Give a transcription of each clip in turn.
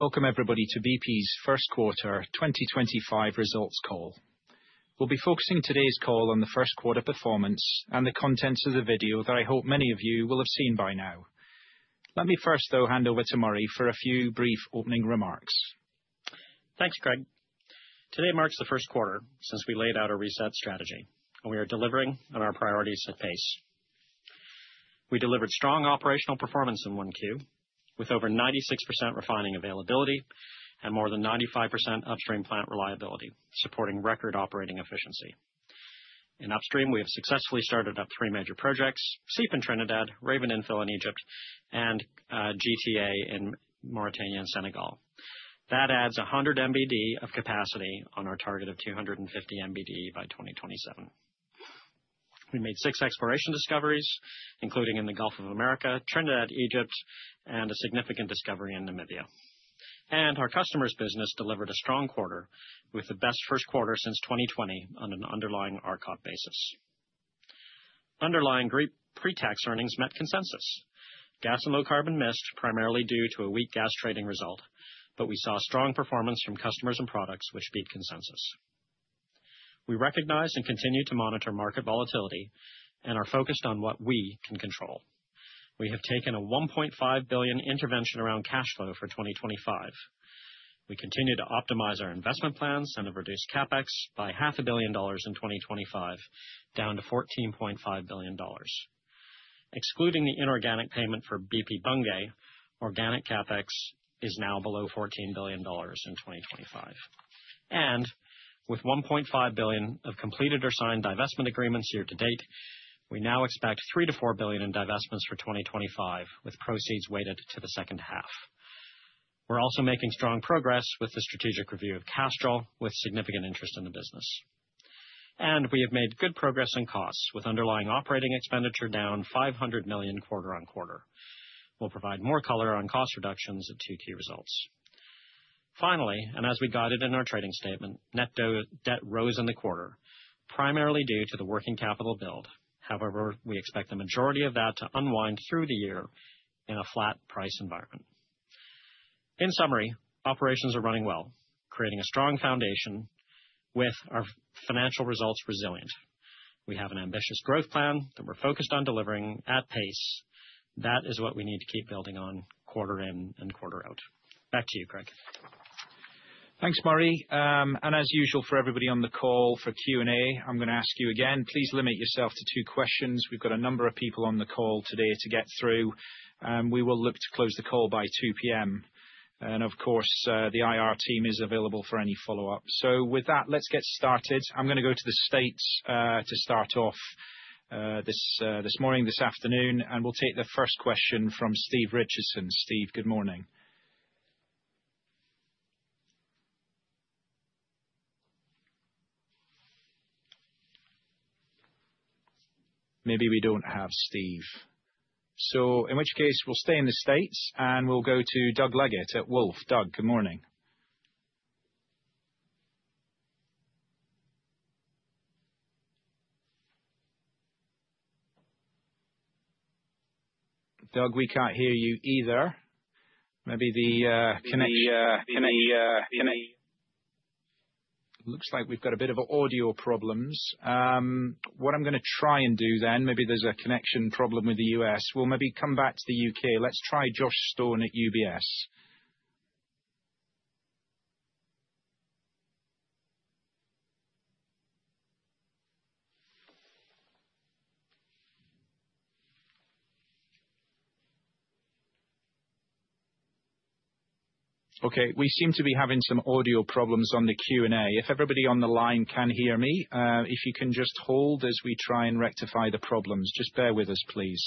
Welcome, everybody, to BP's first quarter 2025 results call. We'll be focusing today's call on the first quarter performance and the contents of the video that I hope many of you will have seen by now. Let me first, though, hand over to Murray for a few brief opening remarks. Thanks, Craig. Today marks the first quarter since we laid out our reset strategy, and we are delivering on our priorities at pace. We delivered strong operational performance in Q1, with over 96% refining availability and more than 95% upstream plant reliability, supporting record operating efficiency. In upstream, we have successfully started up three major projects: Cypre in Trinidad, Raven Infill in Egypt, and GTA in Mauritania and Senegal. That adds 100 MBD of capacity on our target of 250 MBD by 2027. We made six exploration discoveries, including in the Gulf of Mexico, Trinidad, Egypt, and a significant discovery in Namibia. Our customers' business delivered a strong quarter, with the best first quarter since 2020 on an underlying RCOP basis. Underlying pre-tax earnings met consensus: gas and low carbon missed, primarily due to a weak gas trading result, but we saw strong performance from customers and products, which beat consensus. We recognize and continue to monitor market volatility and are focused on what we can control. We have implemented a $1.5 billion cash flow intervention for 2025. We continue to optimize our investment plans and have reduced CapEx by $500 million in 2025, down to $14.5 billion. Excluding the inorganic payment for BP Bunge, organic CapEx now stands below $14 billion for 2025. With $1.5 billion of completed or signed divestment agreements year to date, we now expect $3-$4 billion in divestments for 2025, with proceeds weighted to the second half. We are also making strong progress with the strategic review of Castrol, with significant interest in the business. We have made good progress in costs, with underlying operating expenditure down $500 million quarter on quarter. We will provide more detail on cost reductions at two key results points. Finally, as we guided in our trading statement, net debt rose in the quarter, primarily due to the working capital build. However, we expect the majority of that to unwind through the year in a flat price environment. In summary, operations are running well, creating a strong foundation, with our financial results resilient. We have an ambitious growth plan that we are focused on delivering at pace. That is what we need to keep building on quarter in and quarter out. Back to you, Craig. Thanks, Murray. As usual for everybody on the call for Q&A, I'm going to ask you again, please limit yourself to two questions. We've got a number of people on the call today to get through. We will look to close the call by 2:00 P.M., and of course, the IR team is available for any follow-up. With that, let's get started. I'm going to go to the states to start off this morning, this afternoon, and we'll take the first question from Steve Richardson. Steve, good morning. Perhaps Steve isn’t available. In that case, we’ll stay in the U.S. and go to Doug Leggate at Wolfe. Doug, good morning. Doug, we can't hear you either. Maybe the connection. The connection. Looks like we've got a bit of audio problems. What I'm going to try and do then, maybe there's a connection problem with the US, we'll maybe come back to the UK. Let's try Josh Stone at UBS. Okay, we seem to be having some audio problems on the Q&A. If everybody on the line can hear me, if you can just hold as we try and rectify the problems. Just bear with us, please.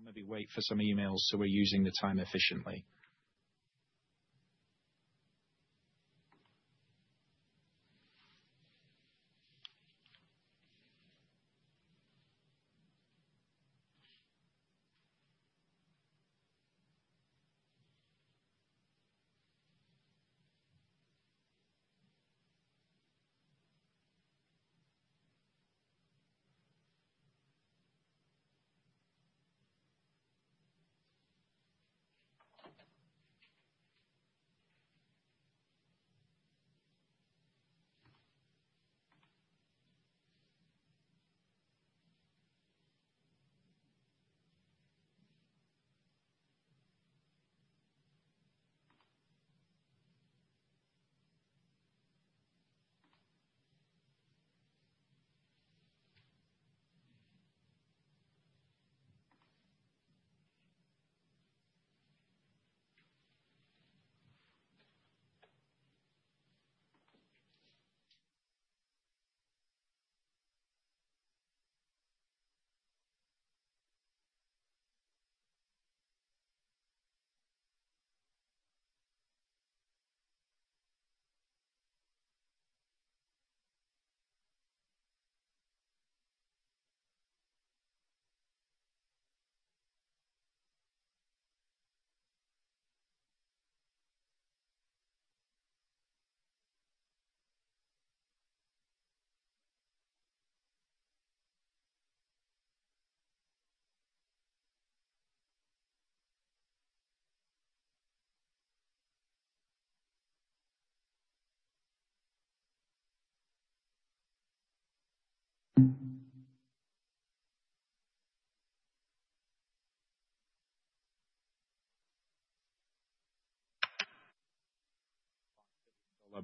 Okay, I'll maybe wait for some emails so we're using the time efficiently.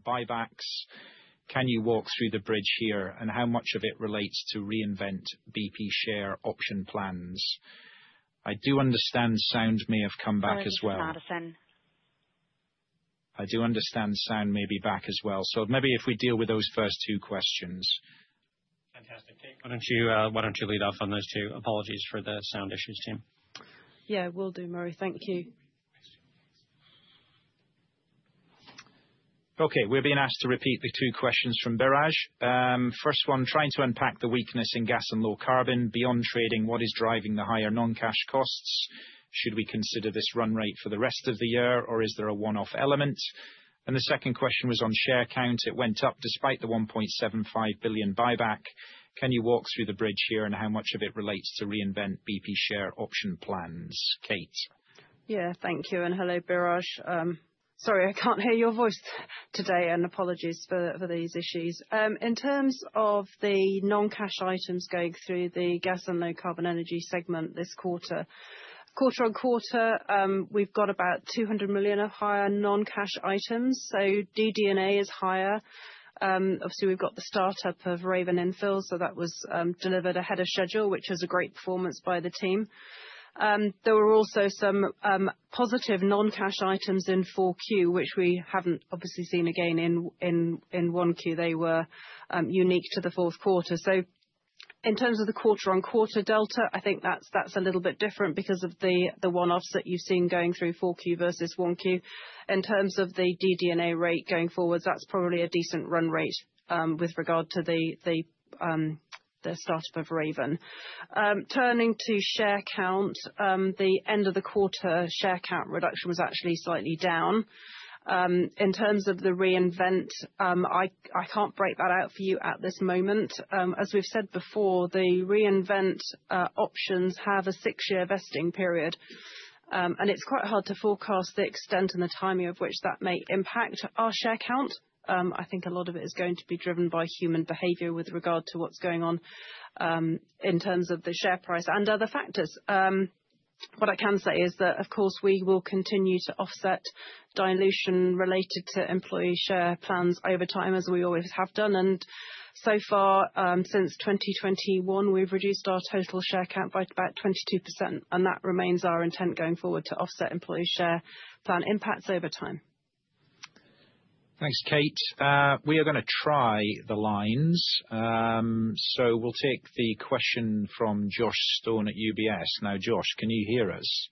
Buybacks. Can you walk through the bridge here, and how much of it relates to Reinvent bp share option plans? I do understand sound may have come back as well. Hey, this is Madison. I do understand sound may be back as well. Maybe if we deal with those first two questions. Fantastic. Take. Why don't you lead off on those two? Apologies for the sound issues, Tim. Yes, will do, Murray. Thank you. Okay, we're being asked to repeat the two questions from Biraj. First one, trying to unpack the weakness in gas and low carbon. Beyond trading, what is driving the higher non-cash costs? Should we consider this run rate for the rest of the year, or is there a one-off element? The second question was on share count. It went up despite the $1.75 billion buyback. Can you walk through the bridge here and how much of it relates to reinvent BP share option plans? Kate. Yeah, thank you. Hello, Biraj. Sorry, I can't hear your voice today, and apologies for these issues. In terms of the non-cash items going through the gas and low carbon energy segment this quarter, quarter on quarter, we've got about $200 million of higher non-cash items. DD&A is higher. We also had the startup of Raven Infill, which was delivered ahead of schedule—a great performance by the team. There were also some positive non-cash items in Q4, which we haven't obviously seen again in Q1. They were unique to the fourth quarter. In terms of the quarter on quarter delta, I think that's a little bit different because of the one-offs that you've seen going through Q4 versus Q1. In terms of the DD&A rate going forwards, that's probably a decent run rate with regard to the startup of Raven. Turning to share count, the end of the quarter share count reduction was actually slightly down. In terms of the reinvent, I can't break that out for you at this moment. As we've said before, the reinvent options have a six-year vesting period, and it's quite hard to forecast the extent and the timing of which that may impact our share count. I think a lot of it is going to be driven by human behavior with regard to what's going on in terms of the share price and other factors. What I can say is that, of course, we will continue to offset dilution related to employee share plans over time, as we always have done. Since 2021, we have reduced our total share count by about 22%, and that remains our intent going forward to offset employee share plan impacts over time. Thanks, Kate. We are going to try the lines. We'll take the question from Josh Stone at UBS. Now, Josh, can you hear us?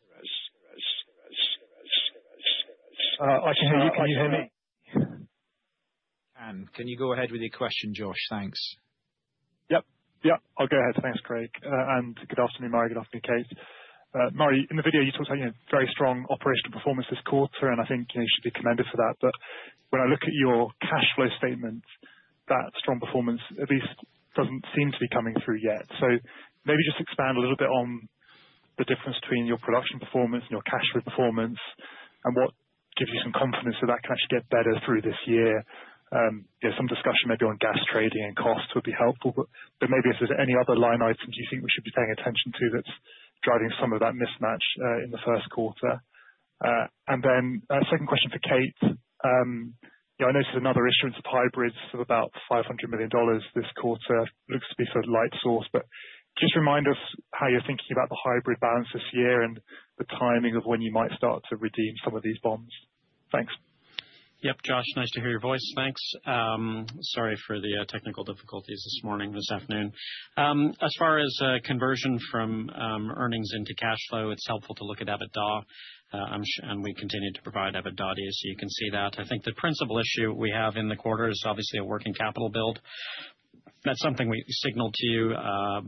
I can hear you. Can you hear me? Can. Can you go ahead with your question, Josh? Thanks. Yep. Yep. I'll go ahead. Thanks, Craig. And good afternoon, Murray. Good afternoon, Kate. Murray, in the video, you talked about very strong operational performance this quarter, and I think you should be commended for that. But when I look at your cash flow statement, that strong performance at least doesn't seem to be coming through yet. Maybe just expand a little bit on the difference between your production performance and your cash flow performance and what gives you some confidence that that can actually get better through this year. Some discussion maybe on gas trading and costs would be helpful, but maybe if there's any other line items you think we should be paying attention to that's driving some of that mismatch in the first quarter. Then second question for Kate. I noticed another issuance of hybrids for about $500 million this quarter. Looks to be sort of Lightsource, but just remind us how you're thinking about the hybrid balance this year and the timing of when you might start to redeem some of these bonds. Thanks. Yep, Josh, nice to hear your voice. Thanks. Sorry for the technical difficulties this morning, this afternoon. As far as conversion from earnings into cash flow, it's helpful to look at EBITDA, and we continue to provide EBITDA here, so you can see that. I think the principal issue we have in the quarter is obviously a working capital build. That's something we signaled to you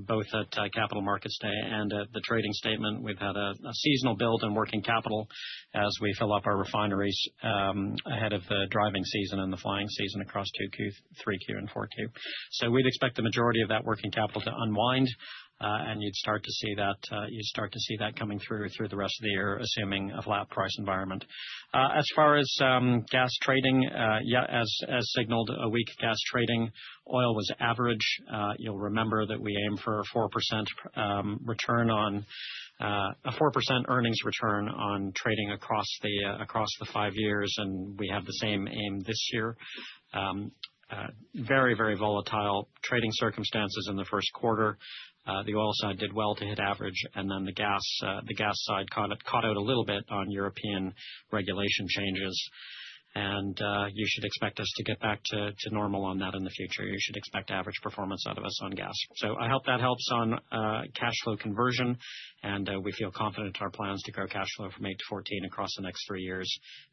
both at Capital Markets Day and at the trading statement. We've had a seasonal build in working capital as we fill up our refineries ahead of the driving season and the flying season across 2Q, 3Q, and 4Q. We would expect the majority of that working capital to unwind, and you'd start to see that coming through the rest of the year, assuming a flat price environment. Regarding gas trading, as signaled, oil performance was average for the week. You'll remember that we aim for a 4% return on a 4% earnings return on trading across the five years, and we have the same aim this year. Very, very volatile trading circumstances in the first quarter. The oil side did well to hit average, and then the gas side caught out a little bit on European regulation changes, and you should expect us to get back to normal on that in the future. You should expect average performance out of us on gas. I hope that helps on cash flow conversion, and we feel confident in our plans to grow cash flow from $8 to 14 billion across the next three years,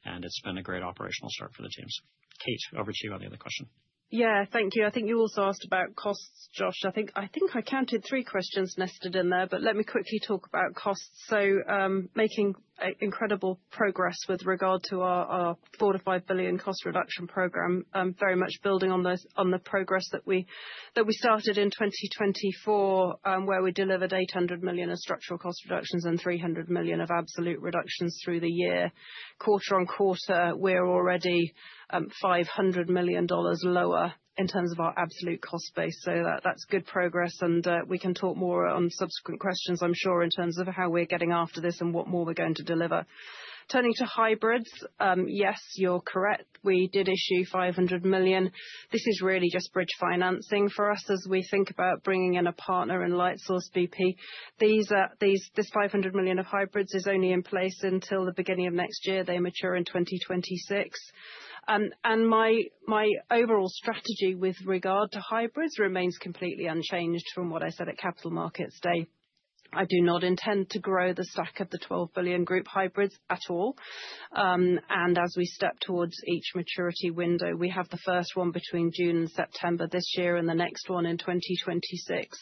and it's been a great operational start for the teams. Kate, over to you on the other question. Yeah, thank you. I think you also asked about costs, Josh. I think I counted three questions nested in there, but let me quickly talk about costs. Making incredible progress with regard to our $4 billion-$5 billion cost reduction program, very much building on the progress that we started in 2024, where we delivered $800 million of structural cost reductions and $300 million of absolute reductions through the year. Quarter on quarter, we're already $500 million lower in terms of our absolute cost base. That is good progress, and we can talk more on subsequent questions, I'm sure, in terms of how we're getting after this and what more we're going to deliver. Turning to hybrids, yes, you're correct. We did issue $500 million. This is really just bridge financing for us as we think about bringing in a partner in Lightsource bp. This $500 million of hybrids is only in place until the beginning of next year. They mature in 2026. My overall strategy with regard to hybrids remains completely unchanged from what I said at Capital Markets Day. I do not intend to grow the stack of the $12 billion group hybrids at all. As we step towards each maturity window, we have the first one between June and September this year and the next one in 2026.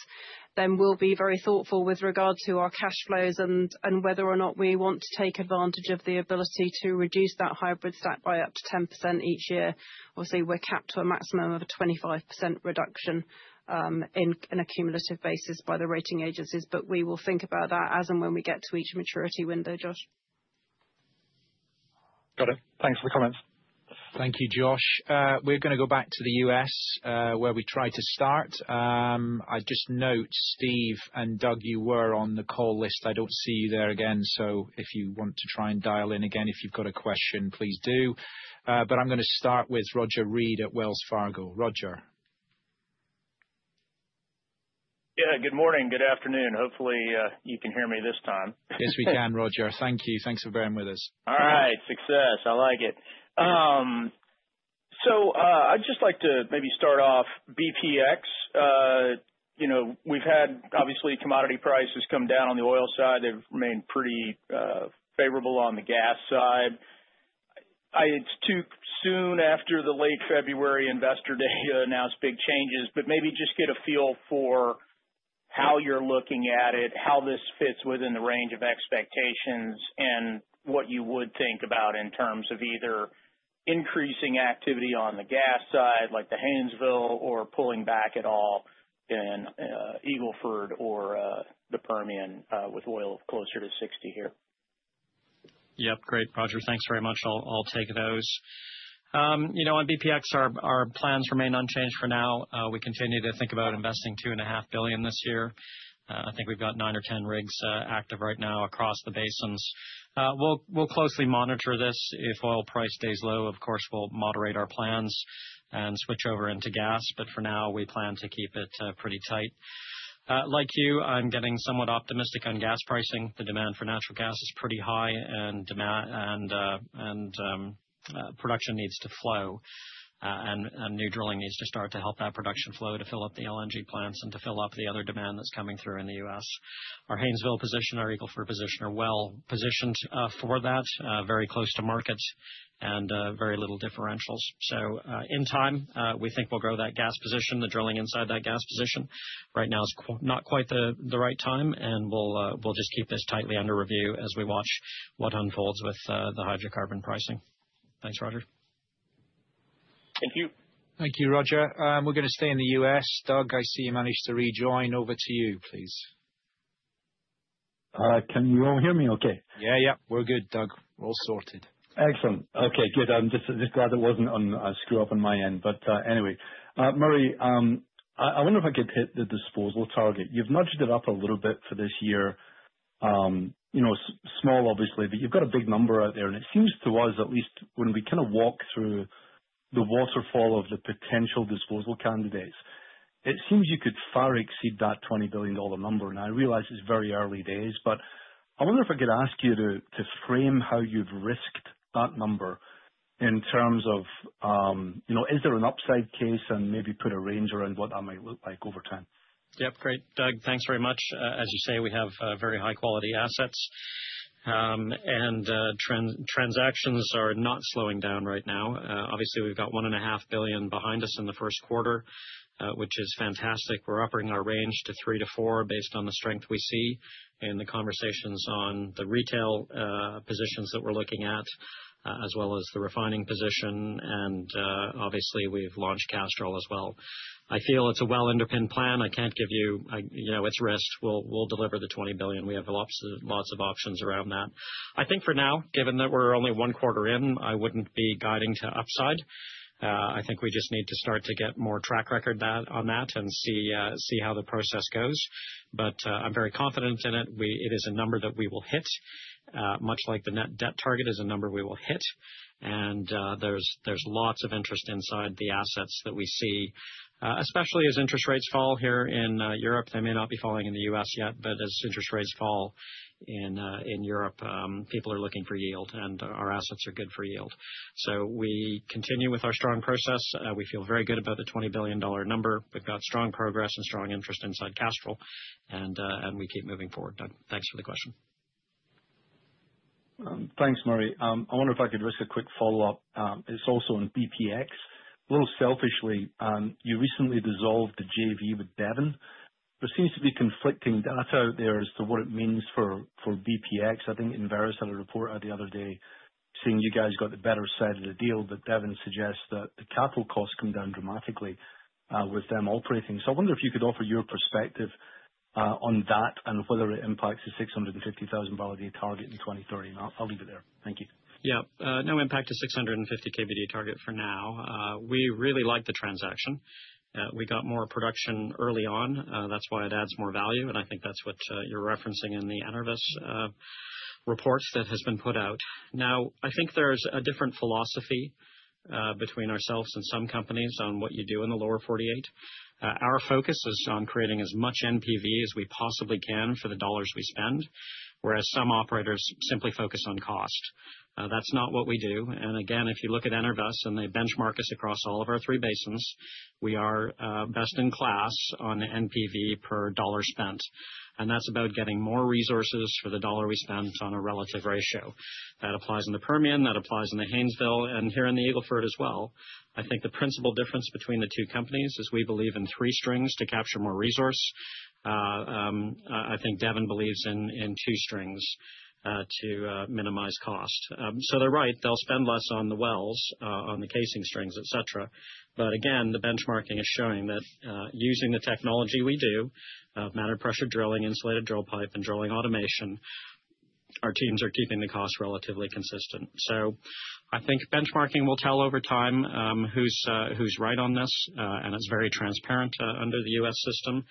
We will be very thoughtful with regard to our cash flows and whether or not we want to take advantage of the ability to reduce that hybrid stack by up to 10% each year. Obviously, we are capped to a maximum of a 25% reduction on an accumulative basis by the rating agencies, but we will think about that as and when we get to each maturity window, Josh. Got it. Thanks for the comments. Thank you, Josh. We're going to go back to the US where we tried to start. I just note, Steve and Doug, you were on the call list. I don't see you there again, if you want to try and dial in again, if you've got a question, please do. I'm going to start with Roger Read at Wells Fargo. Roger. Yeah, good morning. Good afternoon. Hopefully, you can hear me this time. Yes, we can, Roger. Thank you. Thanks for bearing with us. All right. Success. I like it. I'd just like to maybe start off BPX. We've had, obviously, commodity prices come down on the oil side. They've remained pretty favorable on the gas side. It's too soon after the late February investor day to announce big changes, but maybe just get a feel for how you're looking at it, how this fits within the range of expectations, and what you would think about in terms of either increasing activity on the gas side, like the Haynesville, or pulling back at all in Eagle Ford or the Permian with oil closer to $60 here. Yep. Great, Roger. Thanks very much. I'll take those. On BPX, our plans remain unchanged for now. We continue to think about investing $2.5 billion this year. I think we've got nine or 10 rigs active right now across the basins. We'll closely monitor this. If oil price stays low, of course, we'll moderate our plans and switch over into gas, but for now, we plan to keep it pretty tight. Like you, I'm getting somewhat optimistic on gas pricing. The demand for natural gas is pretty high, and production needs to flow, and new drilling needs to start to help that production flow to fill up the LNG plants and to fill up the other demand that's coming through in the US. Our Haynesville position, our Eagle Ford position are well positioned for that, very close to markets and very little differentials. In time, we think we'll grow that gas position. The drilling inside that gas position right now is not quite the right time, and we'll just keep this tightly under review as we watch what unfolds with the hydrocarbon pricing. Thanks, Roger. Thank you. Thank you, Roger. We're going to stay in the US. Doug, I see you managed to rejoin. Over to you, please. Can you all hear me okay? Yeah, yeah. We're good, Doug. We're all sorted. Excellent. Okay, good. I'm just glad it wasn't a screw-up on my end, but anyway. Murray, I wonder if I could hit the disposal target. You've nudged it up a little bit for this year. Small, obviously, but you've got a big number out there, and it seems to us, at least when we kind of walk through the waterfall of the potential disposal candidates, it seems you could far exceed that $20 billion number. I realize it's very early days, but I wonder if I could ask you to frame how you've risked that number in terms of, is there an upside case and maybe put a range around what that might look like over time? Yep. Great. Doug, thanks very much. As you say, we have very high-quality assets, and transactions are not slowing down right now. Obviously, we've got $1.5 billion behind us in the first quarter, which is fantastic. We're upping our range to $3 billion-$4 billion based on the strength we see and the conversations on the retail positions that we're looking at, as well as the refining position. Obviously, we've launched Castrol as well. I feel it's a well-underpinned plan. I can't give you its risk. We'll deliver the $20 billion. We have lots of options around that. I think for now, given that we're only one quarter in, I wouldn't be guiding to upside. I think we just need to start to get more track record on that and see how the process goes. I am very confident in it. It is a number that we will hit, much like the net debt target is a number we will hit. There is lots of interest inside the assets that we see, especially as interest rates fall here in Europe. They may not be falling in the US yet, but as interest rates fall in Europe, people are looking for yield, and our assets are good for yield. We continue with our strong process. We feel very good about the $20 billion number. We have strong progress and strong interest inside Castrol, and we keep moving forward. Doug, thanks for the question. Thanks, Murray. I wonder if I could risk a quick follow-up. It's also on BPX. A little selfishly, you recently dissolved the JV with Devon. There seems to be conflicting data out there as to what it means for BPX. I think Enverus had a report out the other day saying you guys got the better side of the deal, but Devon suggests that the capital costs come down dramatically with them operating. I wonder if you could offer your perspective on that and whether it impacts the $650,000 a year target in 2030. I'll leave it there. Thank you. Yep. No impact to $650 KBD target for now. We really like the transaction. We got more production early on. That's why it adds more value, and I think that's what you're referencing in the Enverus report that has been put out. Now, I think there's a different philosophy between ourselves and some companies on what you do in the lower 48. Our focus is on creating as much NPV as we possibly can for the dollars we spend, whereas some operators simply focus on cost. That's not what we do. If you look at Enverus and they benchmark us across all of our three basins, we are best in class on NPV per dollar spent. That's about getting more resources for the dollar we spend on a relative ratio. That applies in the Permian, that applies in the Haynesville, and here in the Eagle Ford as well. I think the principal difference between the two companies is we believe in three strings to capture more resource. I think Devon believes in two strings to minimize cost. They're right. They'll spend less on the wells, on the casing strings, etc. Again, the benchmarking is showing that using the technology we do, manual pressure drilling, insulated drill pipe, and drilling automation, our teams are keeping the cost relatively consistent. I think benchmarking will tell over time who's right on this, and it's very transparent under the US system.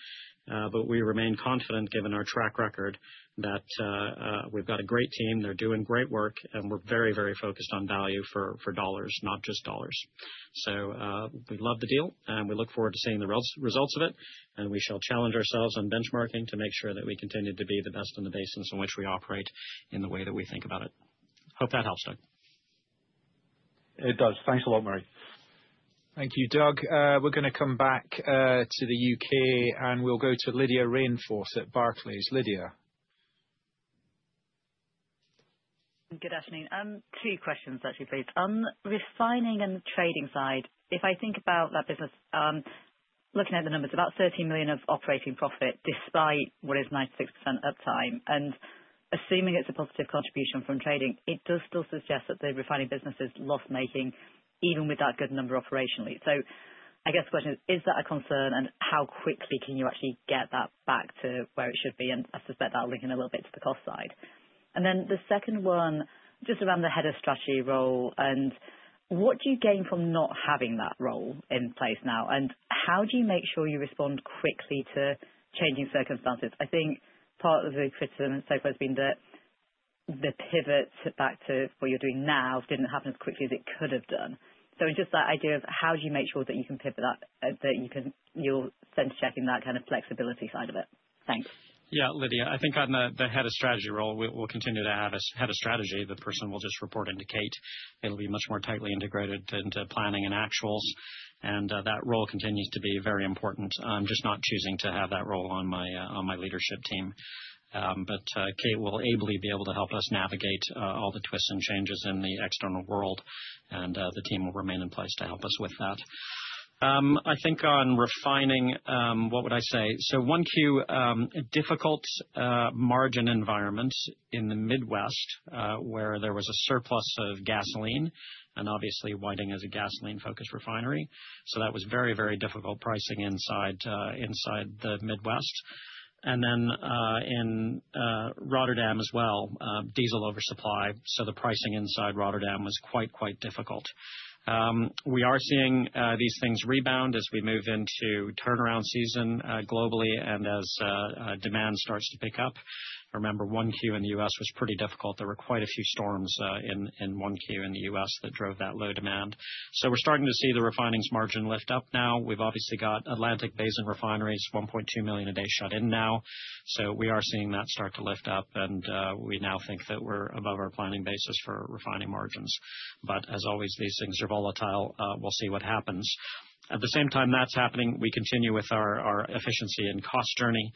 We remain confident, given our track record, that we've got a great team. They're doing great work, and we're very, very focused on value for dollars, not just dollars. We love the deal, and we look forward to seeing the results of it. We shall challenge ourselves on benchmarking to make sure that we continue to be the best in the basins in which we operate in the way that we think about it. Hope that helps, Doug. It does. Thanks a lot, Murray. Thank you, Doug. We're going to come back to the U.K., and we'll go to Lydia Rainforth at Barclays. Lydia. Good afternoon. Two questions, actually, please. On refining and the trading side, if I think about that business, looking at the numbers, about $13 million of operating profit despite what is 96% uptime, and assuming it's a positive contribution from trading, it does still suggest that the refining business is loss-making even with that good number operationally. I guess the question is, is that a concern, and how quickly can you actually get that back to where it should be? I suspect that'll link in a little bit to the cost side. The second one, just around the head of strategy role, and what do you gain from not having that role in place now? How do you make sure you respond quickly to changing circumstances? I think part of the criticism and so forth has been that the pivot back to what you're doing now didn't happen as quickly as it could have done. Just that idea of how do you make sure that you can pivot that, that you'll send checking that kind of flexibility side of it? Thanks. Yeah, Lydia, I think on the head of strategy role, we'll continue to have a head of strategy. The person will just report into Kate. It'll be much more tightly integrated into planning and actuals. That role continues to be very important. I'm just not choosing to have that role on my leadership team. Kate will ably be able to help us navigate all the twists and changes in the external world, and the team will remain in place to help us with that. I think on refining, what would I say? 1Q, difficult margin environments in the Midwest where there was a surplus of gasoline and obviously Whiting as a gasoline-focused refinery. That was very, very difficult pricing inside the Midwest. In Rotterdam as well, diesel oversupply. The pricing inside Rotterdam was quite, quite difficult. We are seeing these things rebound as we move into turnaround season globally and as demand starts to pick up. I remember 1Q in the U.S. was pretty difficult. There were quite a few storms in 1Q in the U.S. that drove that low demand. We are starting to see the refining's margin lift up now. We have obviously got Atlantic Basin refineries, $1.2 million a day shut in now. We are seeing that start to lift up, and we now think that we are above our planning basis for refining margins. As always, these things are volatile. We will see what happens. At the same time that is happening, we continue with our efficiency and cost journey.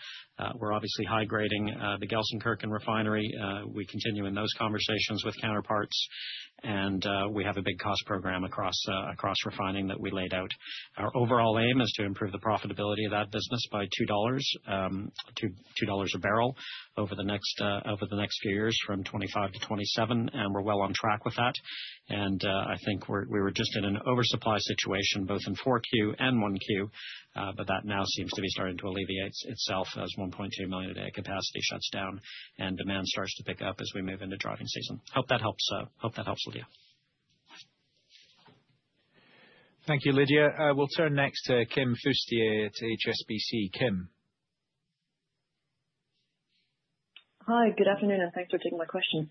We are obviously high-grading the Gelsenkirchen refinery. We continue in those conversations with counterparts, and we have a big cost program across refining that we laid out. Our overall aim is to improve the profitability of that business by $2 a barrel over the next few years from 25 to 27, and we're well on track with that. I think we were just in an oversupply situation both in 4Q and 1Q, but that now seems to be starting to alleviate itself as $1.2 million a day capacity shuts down and demand starts to pick up as we move into driving season. Hope that helps with you. Thank you, Lydia. We'll turn next to Kim Fustier at HSBC. Kim. Hi, good afternoon, and thanks for taking my question.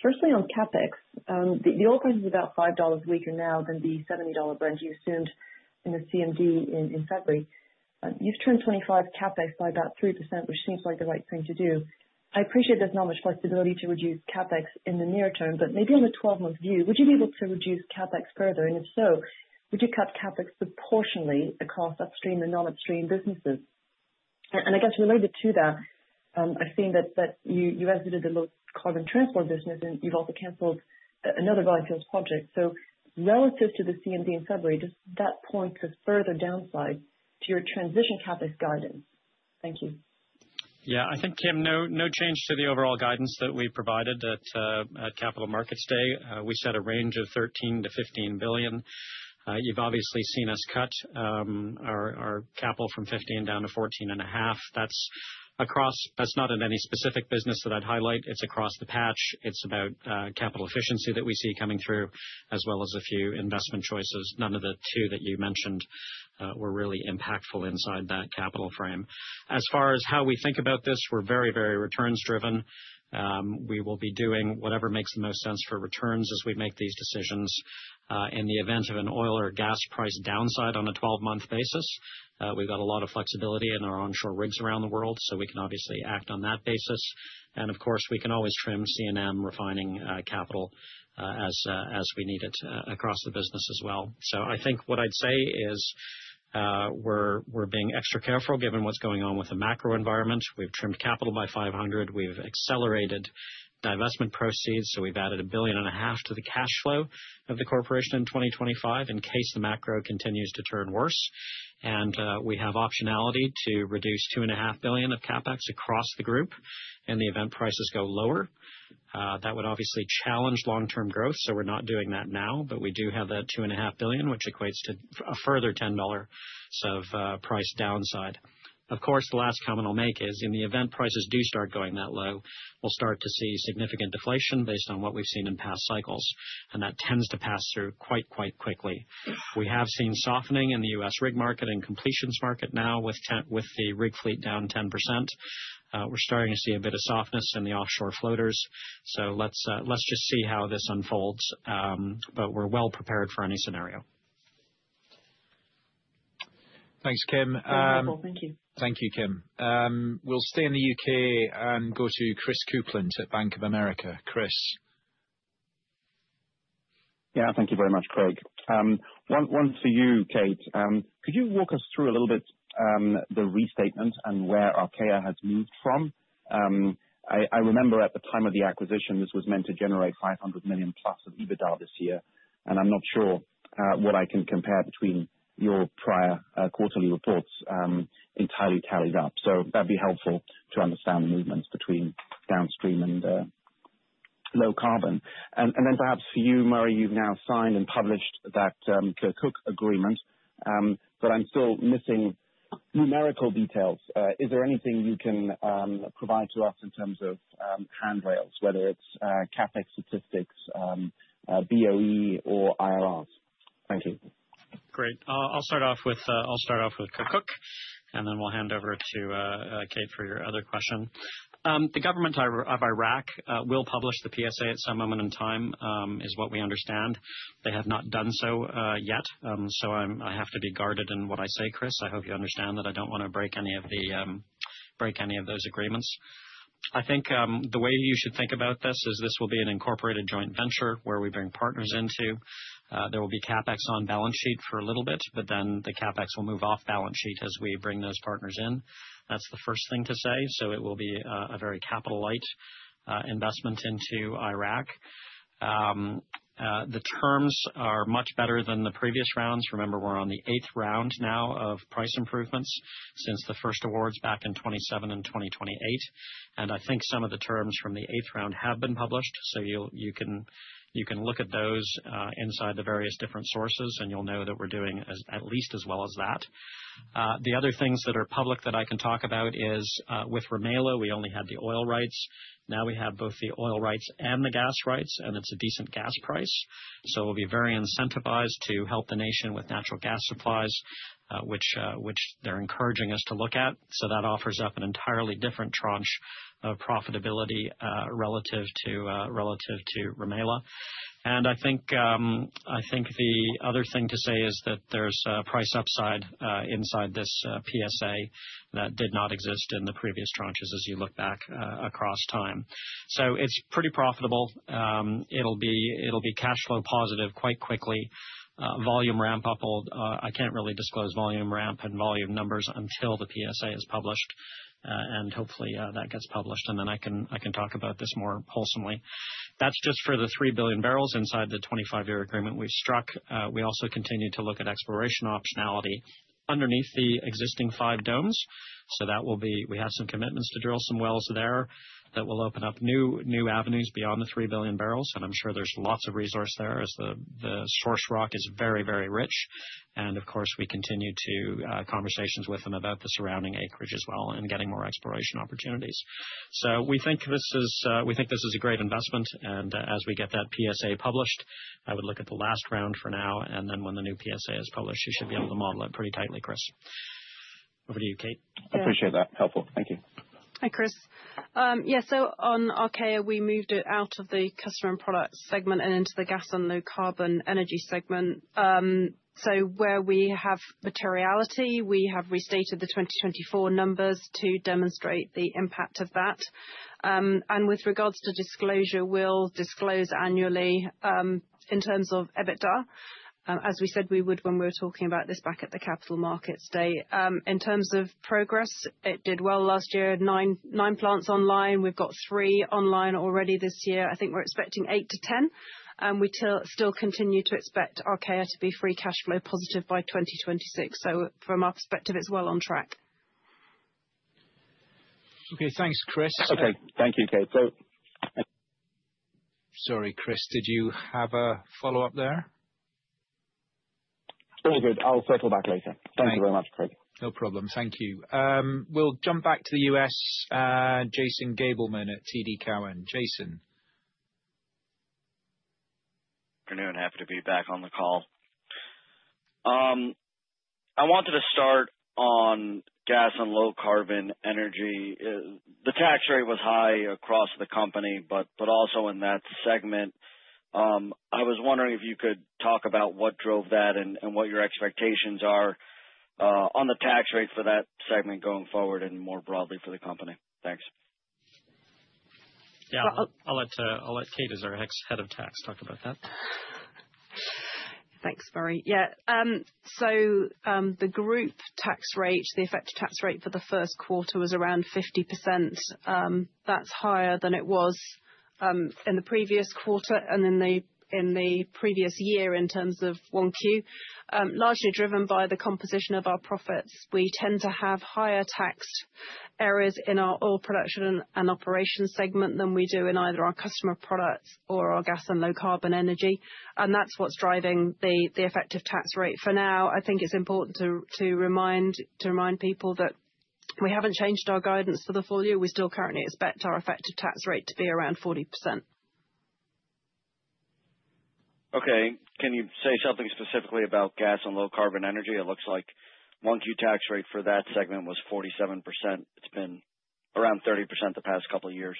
Firstly, on CapEx, the oil price is about $5 a week now than the $70 Brent you assumed in the CMD in February. You've turned 25 CapEx by about 3%, which seems like the right thing to do. I appreciate there's not much flexibility to reduce CapEx in the near term, but maybe on a 12-month view, would you be able to reduce CapEx further? If so, would you cut CapEx proportionally across upstream and non-upstream businesses? I guess related to that, I've seen that you exited the low-carbon transport business, and you've also canceled another volunteer project. Relative to the CMD in February, does that point to further downside to your transition CapEx guidance? Thank you. Yeah, I think, Kim, no change to the overall guidance that we provided at Capital Markets Day. We set a range of $13 billion-$15 billion. You've obviously seen us cut our capital from $15 billion down to $14.5 billion. That's not in any specific business that I'd highlight. It's across the patch. It's about capital efficiency that we see coming through, as well as a few investment choices. None of the two that you mentioned were really impactful inside that capital frame. As far as how we think about this, we're very, very returns-driven. We will be doing whatever makes the most sense for returns as we make these decisions. In the event of an oil or gas price downside on a 12-month basis, we've got a lot of flexibility in our onshore rigs around the world, so we can obviously act on that basis. Of course, we can always trim CNM refining capital as we need it across the business as well. I think what I'd say is we're being extra careful given what's going on with the macro environment. We've trimmed capital by $500 million. We've accelerated divestment proceeds, so we've added $1.5 billion to the cash flow of the corporation in 2025 in case the macro continues to turn worse. We have optionality to reduce $2.5 billion of CapEx across the group in the event prices go lower. That would obviously challenge long-term growth, so we're not doing that now, but we do have that $2.5 billion, which equates to a further $10 of price downside. Of course, the last comment I'll make is in the event prices do start going that low, we'll start to see significant deflation based on what we've seen in past cycles, and that tends to pass through quite, quite quickly. We have seen softening in the US rig market and completions market now with the rig fleet down 10%. We're starting to see a bit of softness in the offshore floaters. Let's just see how this unfolds, but we're well prepared for any scenario. Thanks, Kim. Wonderful. Thank you. Thank you, Kim. We'll stay in the U.K. and go to Chris Kuplent at Bank of America. Chris. Yeah, thank you very much, Craig. One for you, Kate. Could you walk us through a little bit the restatement and where Archaea has moved from? I remember at the time of the acquisition, this was meant to generate $500 million plus of EBITDA this year, and I'm not sure what I can compare between your prior quarterly reports entirely tallies up. That'd be helpful to understand the movements between downstream and low carbon. Perhaps for you, Murray, you've now signed and published that Kirkuk agreement, but I'm still missing numerical details. Is there anything you can provide to us in terms of handrails, whether it's CapEx statistics, BOE, or IRRs? Thank you. Great. I'll start off with Kirkuk, and then we'll hand over to Kate for your other question. The government of Iraq will publish the PSA at some moment in time is what we understand. They have not done so yet, so I have to be guarded in what I say, Chris. I hope you understand that I don't want to break any of those agreements. I think the way you should think about this is this will be an incorporated joint Venture where we bring partners into. There will be CapEx on balance sheet for a little bit, but then the CapEx will move off balance sheet as we bring those partners in. That's the first thing to say. It will be a very capital-light investment into Iraq. The terms are much better than the previous rounds. Remember, we're on the eighth round now of price improvements since the first awards back in 2027 and 2028. I think some of the terms from the eighth round have been published, so you can look at those inside the various different sources, and you'll know that we're doing at least as well as that. The other things that are public that I can talk about is with Rumaila, we only had the oil rights. Now we have both the oil rights and the gas rights, and it's a decent gas price. We'll be very incentivized to help the nation with natural gas supplies, which they're encouraging us to look at. That offers up an entirely different tranche of profitability relative to Rumaila. I think the other thing to say is that there's price upside inside this PSA that did not exist in the previous tranches as you look back across time. It is pretty profitable. It'll be cash flow positive quite quickly. Volume ramp up. I can't really disclose volume ramp and volume numbers until the PSA is published, and hopefully that gets published, and then I can talk about this more wholesomely. That is just for the $3 billion barrels inside the 25-year agreement we've struck. We also continue to look at exploration optionality underneath the existing five domes. We have some commitments to drill some wells there that will open up new avenues beyond the $3 billion barrels, and I'm sure there's lots of resource there as the source rock is very, very rich. Of course, we continue to have conversations with them about the surrounding acreage as well and getting more exploration opportunities. We think this is a great investment, and as we get that PSA published, I would look at the last round for now, and then when the new PSA is published, you should be able to model it pretty tightly, Chris. Over to you, Kate. I appreciate that. Helpful. Thank you. Hi, Chris. Yeah, on Archaea, we moved it out of the customer and product segment and into the gas and low carbon energy segment. Where we have materiality, we have restated the 2024 numbers to demonstrate the impact of that. With regards to disclosure, we'll disclose annually in terms of EBITDA, as we said we would when we were talking about this back at the Capital Markets Day. In terms of progress, it did well last year. Nine plants online. We've got three online already this year. I think we're expecting eight to ten, and we still continue to expect Archaea to be free cash flow positive by 2026. From our perspective, it's well on track. Okay, thanks, Chris. Okay, thank you, Kate. Sorry, Chris, did you have a follow-up there? Very good. I'll circle back later. Thank you very much, Craig. No problem. Thank you. We'll jump back to the US, Jason Gabelman at TD Cowen. Jason. Good afternoon. Happy to be back on the call. I wanted to start on gas and low carbon energy. The tax rate was high across the company, but also in that segment. I was wondering if you could talk about what drove that and what your expectations are on the tax rate for that segment going forward and more broadly for the company. Thanks. Yeah, I'll let Kate as our next Head of Tax talk about that. Thanks, Murray. Yeah, so the group tax rate, the effective tax rate for the first quarter was around 50%. That's higher than it was in the previous quarter and in the previous year in terms of 1Q, largely driven by the composition of our profits. We tend to have higher taxed areas in our oil production and operation segment than we do in either our customer products or our gas and low carbon energy. That's what's driving the effective tax rate. For now, I think it's important to remind people that we haven't changed our guidance for the full year. We still currently expect our effective tax rate to be around 40%. Okay. Can you say something specifically about gas and low carbon energy? It looks like 1Q tax rate for that segment was 47%. It's been around 30% the past couple of years.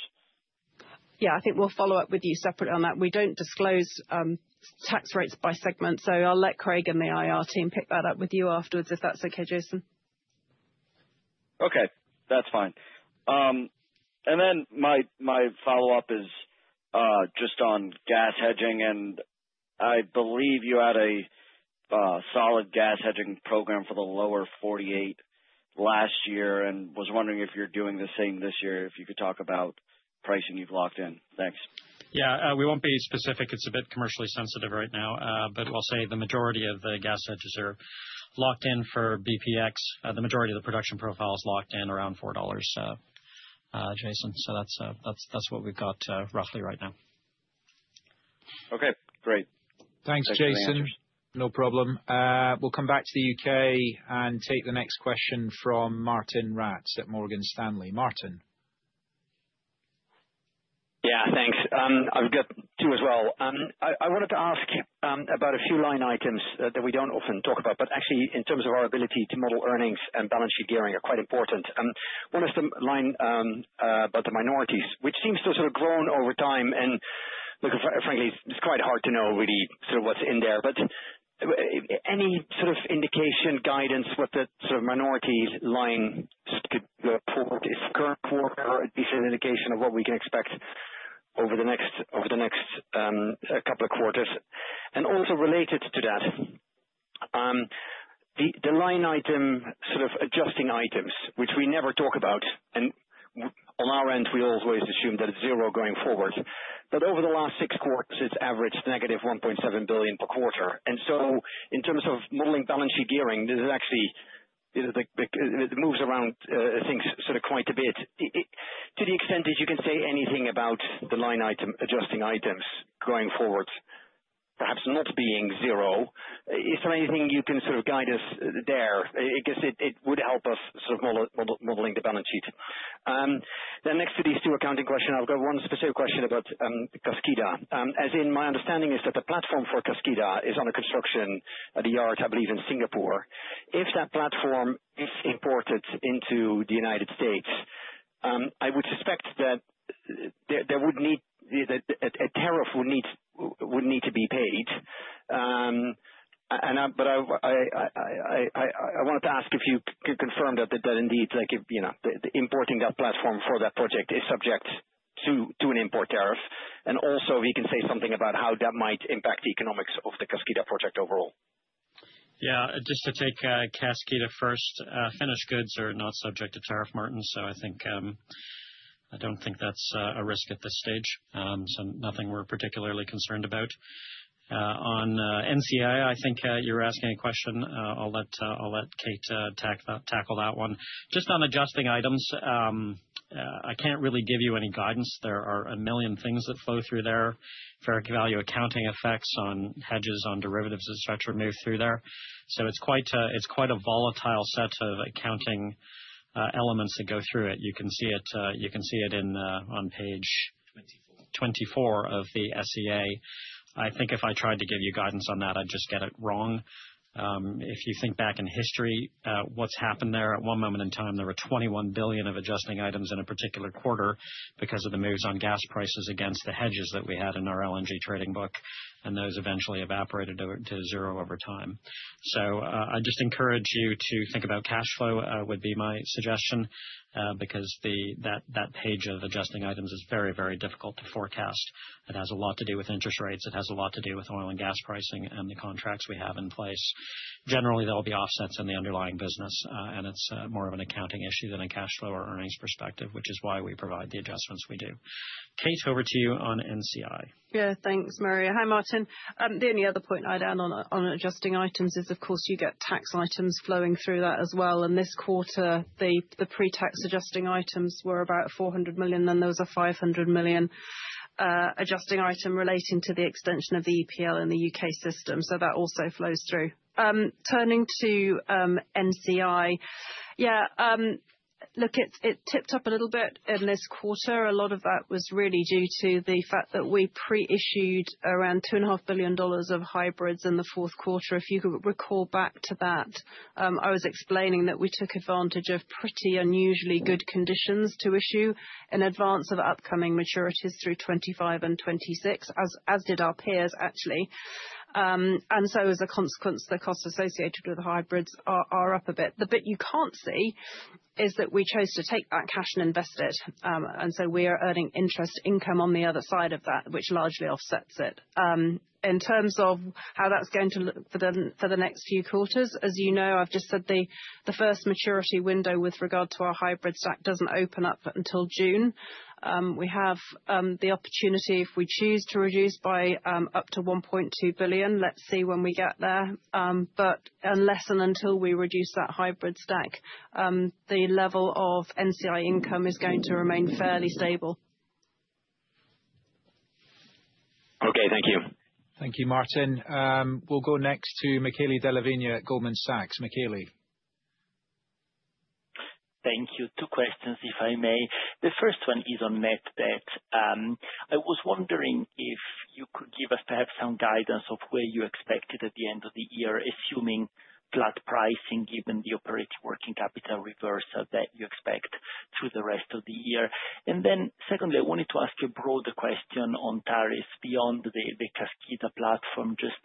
Yeah, I think we'll follow up with you separately on that. We don't disclose tax rates by segment, so I'll let Craig and the IR team pick that up with you afterwards if that's okay, Jason. Okay, that's fine. My follow-up is just on gas hedging, and I believe you had a solid gas hedging program for the lower 48 last year and was wondering if you're doing the same this year, if you could talk about pricing you've locked in. Thanks. Yeah, we won't be specific. It's a bit commercially sensitive right now, but we'll say the majority of the gas hedges are locked in for BPX. The majority of the production profile is locked in around $4, Jason. So that's what we've got roughly right now. Okay, great. Thanks, Jason. No problem. We'll come back to the U.K. and take the next question from Martijn Rats at Morgan Stanley. Martin. Yeah, thanks. I've got two as well. I wanted to ask about a few line items that we don't often talk about, but actually in terms of our ability to model earnings and balance sheet gearing are quite important. One is the line about the minorities, which seems to have sort of grown over time. Frankly, it's quite hard to know really sort of what's in there, but any sort of indication, guidance, what the sort of minorities line could report, if current quarter is an indication of what we can expect over the next couple of quarters. Also related to that, the line item sort of adjusting items, which we never talk about. On our end, we always assume that it's zero going forward, but over the last six quarters, it's averaged negative $1.7 billion per quarter. In terms of modeling balance sheet gearing, this is actually it moves around things sort of quite a bit. To the extent that you can say anything about the line item adjusting items going forward, perhaps not being zero, is there anything you can sort of guide us there? I guess it would help us sort of modeling the balance sheet. Next to these two accounting questions, I've got one specific question about Kaskida. As in my understanding is that the platform forKaskida is on a construction at a yard, I believe, in Singapore. If that platform is imported into the United States, I would suspect that there would need a tariff would need to be paid. I wanted to ask if you can confirm that indeed the importing that platform for that project is subject to an import tariff. If you can say something about how that might impact the economics of the Kaskida project overall. Yeah, just to take Kaskida first, finished goods are not subject to tariff, Martin, so I do not think that is a risk at this stage. Nothing we are particularly concerned about. On NCI, I think you were asking a question. I will let Kate tackle that one. Just on adjusting items, I cannot really give you any guidance. There are a million things that flow through there. Fair value accounting effects on hedges on derivatives and such are moved through there. It is quite a volatile set of accounting elements that go through it. You can see it on page 24 of the SEA. I think if I tried to give you guidance on that, I would just get it wrong. If you think back in history, what's happened there at one moment in time, there were $21 billion of adjusting items in a particular quarter because of the moves on gas prices against the hedges that we had in our LNG trading book, and those eventually evaporated to zero over time. I just encourage you to think about cash flow would be my suggestion because that page of adjusting items is very, very difficult to forecast. It has a lot to do with interest rates. It has a lot to do with oil and gas pricing and the contracts we have in place. Generally, there will be offsets in the underlying business, and it's more of an accounting issue than a cash flow or earnings perspective, which is why we provide the adjustments we do. Kate, over to you on NCI. Yeah, thanks, Murray. Hi, Martin. The only other point I'd add on adjusting items is, of course, you get tax items flowing through that as well. This quarter, the pre-tax adjusting items were about $400 million. There was a $500 million adjusting item relating to the extension of the EPL in the U.K. system. That also flows through. Turning to NCI, yeah, look, it tipped up a little bit in this quarter. A lot of that was really due to the fact that we pre-issued around $2.5 billion of hybrids in the fourth quarter. If you could recall back to that, I was explaining that we took advantage of pretty unusually good conditions to issue in advance of upcoming maturities through 2025 and 2026, as did our peers, actually. As a consequence, the costs associated with the hybrids are up a bit. The bit you can't see is that we chose to take that cash and invest it. And so we are earning interest income on the other side of that, which largely offsets it. In terms of how that's going to look for the next few quarters, as you know, I've just said the first maturity window with regard to our hybrid stack doesn't open up until June. We have the opportunity, if we choose, to reduce by up to $1.2 billion. Let's see when we get there. Unless and until we reduce that hybrid stack, the level of NCI income is going to remain fairly stable. Okay, thank you. Thank you, Martin. We'll go next to Michele Della Vigna at Goldman Sachs. Michele. Thank you. Two questions, if I may. The first one is on net debt. I was wondering if you could give us perhaps some guidance of where you expect it at the end of the year, assuming flat pricing, given the operating working capital reversal that you expect through the rest of the year. Secondly, I wanted to ask you a broader question on tariffs beyond the Kaskida platform, just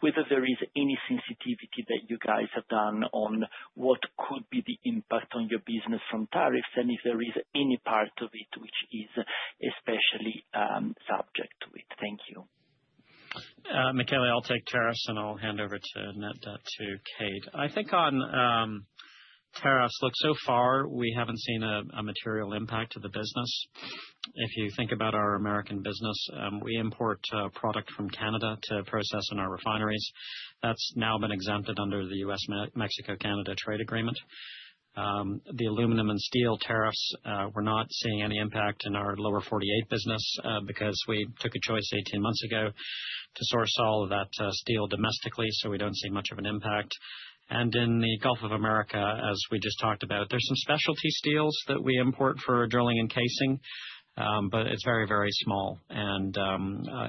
whether there is any sensitivity that you guys have done on what could be the impact on your business from tariffs and if there is any part of it which is especially subject to it. Thank you. Mikele, I'll take tariffs and I'll hand over to net debt to Kate. I think on tariffs, look, so far we haven't seen a material impact to the business. If you think about our American business, we import product from Canada to process in our refineries. That's now been exempted under the US-Mexico-Canada trade agreement. The aluminum and steel tariffs, we're not seeing any impact in our lower 48 business because we took a choice 18 months ago to source all of that steel domestically, so we don't see much of an impact. In the Gulf of Mexico, as we just talked about, there's some specialty steels that we import for drilling and casing, but it's very, very small and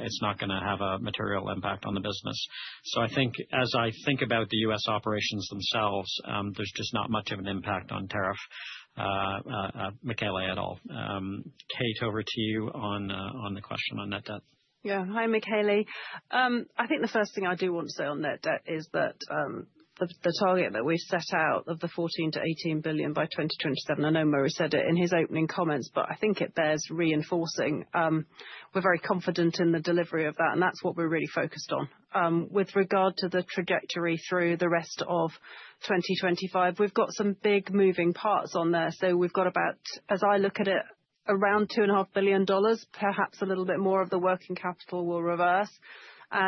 it's not going to have a material impact on the business. I think as I think about the US operations themselves, there's just not much of an impact on tariff, Mikele, at all. Kate, over to you on the question on net debt. Yeah, hi, Mikele. I think the first thing I do want to say on net debt is that the target that we've set out of the $14 billion-$18 billion by 2027, I know Murray said it in his opening comments, but I think it bears reinforcing. We're very confident in the delivery of that, and that's what we're really focused on. With regard to the trajectory through the rest of 2025, we've got some big moving parts on there. We've got about, as I look at it, around $2.5 billion. Perhaps a little bit more of the working capital will reverse.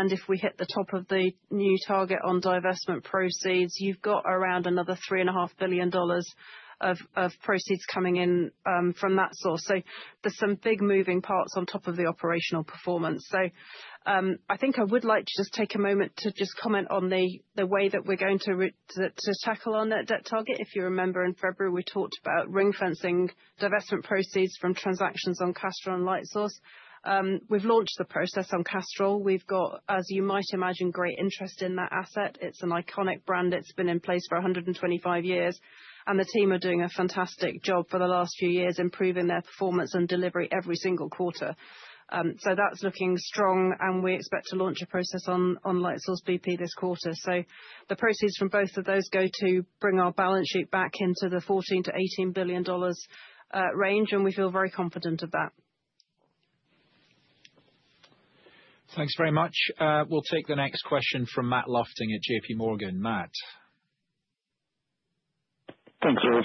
If we hit the top of the new target on divestment proceeds, you've got around another $3.5 billion of proceeds coming in from that source. There's some big moving parts on top of the operational performance. I think I would like to just take a moment to just comment on the way that we're going to tackle our net debt target. If you remember, in February, we talked about ring-fencing divestment proceeds from transactions on Castrol and Lightsource bp. We've launched the process on Castrol. We've got, as you might imagine, great interest in that asset. It's an iconic brand. It's been in place for 125 years. The team are doing a fantastic job for the last few years improving their performance and delivery every single quarter. That's looking strong, and we expect to launch a process on Lightsource bp this quarter. The proceeds from both of those go to bring our balance sheet back into the $14-$18 billion range, and we feel very confident of that. Thanks very much. We'll take the next question from Matt Lofting at JP Morgan. Matt. Thanks for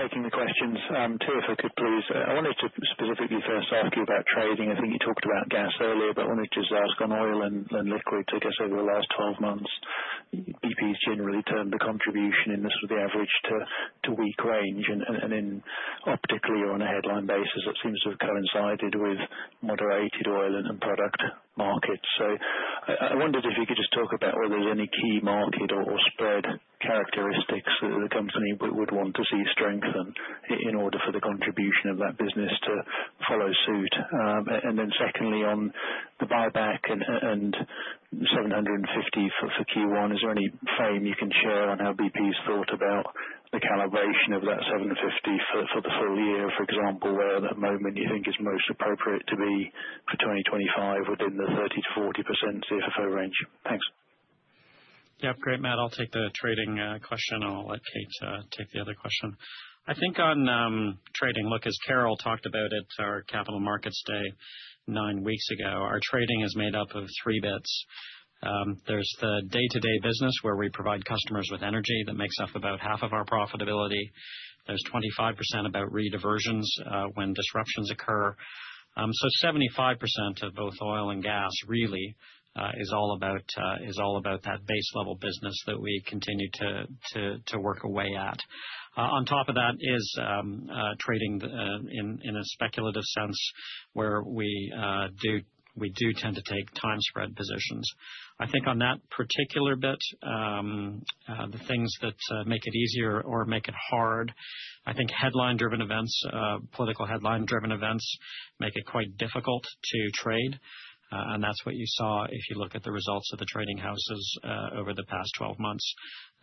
taking the questions. Uncertain, could you please, I wanted to specifically first ask you about trading. I think you talked about gas earlier, but I wanted to just ask on oil and liquids. I guess over the last 12 months, BP has generally turned the contribution in the sort of the average to weak range. Optically or on a headline basis, it seems to have coincided with moderated oil and product markets. I wondered if you could just talk about whether there are any key market or spread characteristics that the company would want to see strengthen in order for the contribution of that business to follow suit. Secondly, on the buyback and $750 for Q1, is there any frame you can share on how BP has thought about the calibration of that $750 for the full year, for example, where at that moment you think is most appropriate to be for 2025 within the 30-40% CFO range? Thanks. Yep, great. Matt, I'll take the trading question and I'll let Kate take the other question. I think on trading, look, as Carol talked about it, our capital markets day nine weeks ago, our trading is made up of three bits. There's the day-to-day business where we provide customers with energy that makes up about half of our profitability. There's 25% about rediversions when disruptions occur. So 75% of both oil and gas really is all about that base level business that we continue to work away at. On top of that is trading in a speculative sense where we do tend to take time spread positions. I think on that particular bit, the things that make it easier or make it hard, I think headline-driven events, political headline-driven events make it quite difficult to trade. That is what you saw if you look at the results of the trading houses over the past 12 months.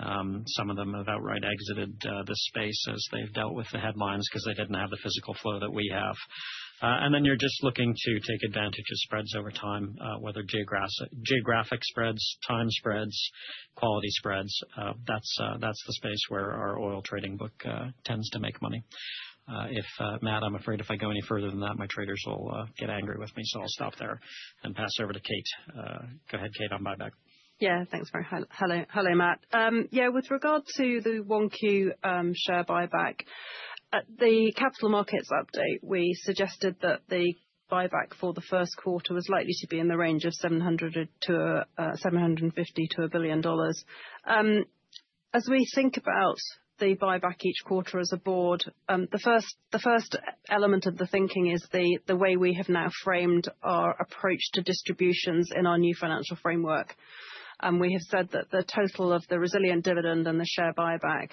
Some of them have outright exited the space as they have dealt with the headlines because they did not have the physical flow that we have. You are just looking to take advantage of spreads over time, whether geographic spreads, time spreads, quality spreads. That is the space where our oil trading book tends to make money. If, Matt, I am afraid if I go any further than that, my traders will get angry with me, so I will stop there and pass over to Kate. Go ahead, Kate, on buyback. Yeah, thanks, Murray. Hello, Matt. Yeah, with regard to the Q1 share buyback, at the capital markets update, we suggested that the buyback for the first quarter was likely to be in the range of $750 million to $1 billion. As we think about the buyback each quarter as a board, the first element of the thinking is the way we have now framed our approach to distributions in our new financial framework. We have said that the total of the resilient dividend and the share buyback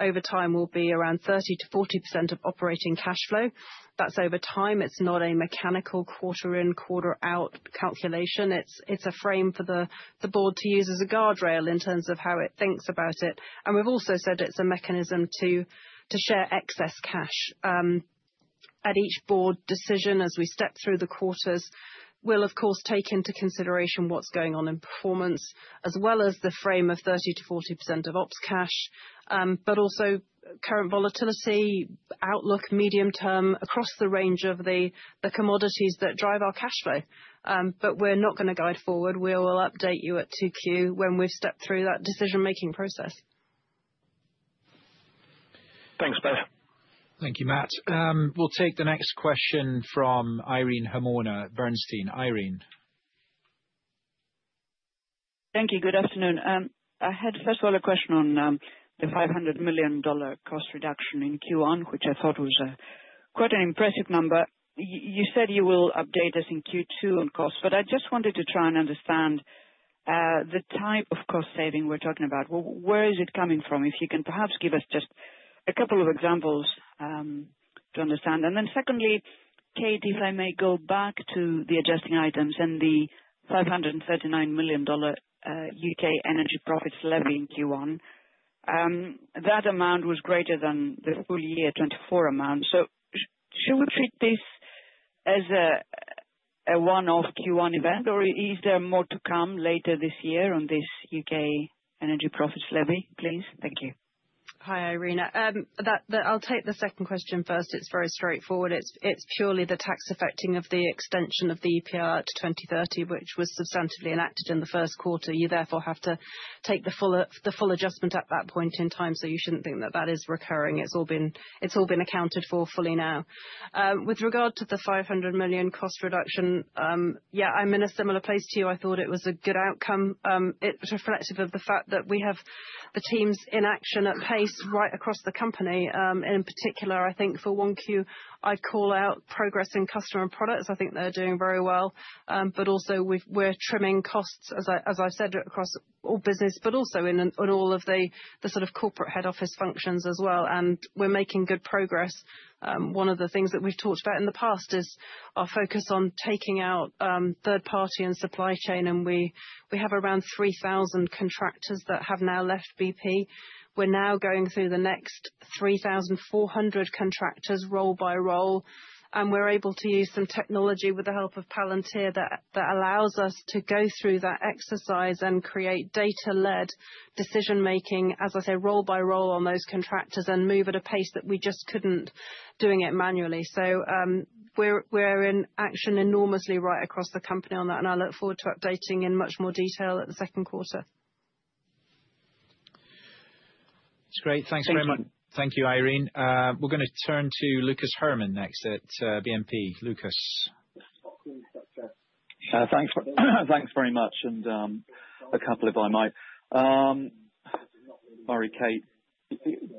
over time will be around 30-40% of operating cash flow. That is over time. It is not a mechanical quarter in, quarter out calculation. It is a frame for the board to use as a guardrail in terms of how it thinks about it. We have also said it is a mechanism to share excess cash. At each board decision, as we step through the quarters, we'll, of course, take into consideration what's going on in performance, as well as the frame of 30-40% of ops cash, but also current volatility, outlook medium term across the range of the commodities that drive our cash flow. We're not going to guide forward. We will update you at 2Q when we've stepped through that decision-making process. Thanks, Beth. Thank you, Matt. We'll take the next question from Irene Himona Bernstein. Irene. Thank you. Good afternoon. I had first of all a question on the $500 million cost reduction in Q1, which I thought was quite an impressive number. You said you will update us in Q2 on costs, but I just wanted to try and understand the type of cost saving we're talking about. Where is it coming from? If you can perhaps give us just a couple of examples to understand. Secondly, Kate, if I may go back to the adjusting items and the $539 million U.K. Energy Profits Levy in Q1, that amount was greater than the full year 2024 amount. Should we treat this as a one-off Q1 event, or is there more to come later this year on this U.K. Energy Profits Levy, please? Thank you. Hi, Irene. I'll take the second question first. It's very straightforward. It's purely the tax affecting of the extension of the EPL to 2030, which was substantively enacted in the first quarter. You therefore have to take the full adjustment at that point in time. You shouldn't think that that is recurring. It's all been accounted for fully now. With regard to the $500 million cost reduction, yeah, I'm in a similar place to you. I thought it was a good outcome. It's reflective of the fact that we have the teams in action at pace right across the company. In particular, I think for 1Q, I call out progress in customer and products. I think they're doing very well. Also, we're trimming costs, as I said, across all business, but also in all of the sort of corporate head office functions as well. We're making good progress. One of the things that we've talked about in the past is our focus on taking out third party and supply chain. We have around 3,000 contractors that have now left BP. We're now going through the next 3,400 contractors roll by roll. We're able to use some technology with the help of Palantir that allows us to go through that exercise and create data-led decision making, as I say, roll by roll on those contractors and move at a pace that we just couldn't doing it manually. We're in action enormously right across the company on that. I look forward to updating in much more detail at the second quarter. That's great. Thanks very much. Thank you, Irene. We're going to turn to Lucas Herrmann next at BNP Paribas. Lucas. Thanks very much. A couple if I might. Murray, Kate,